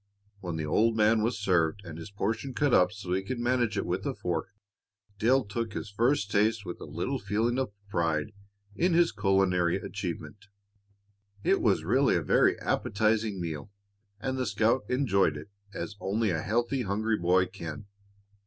When the old man was served and his portion cut up so that he could manage it with a fork, Dale took his first taste with a little feeling of pride in his culinary achievement. It was really a very appetizing meal, and the scout enjoyed it as only a healthy, hungry boy can.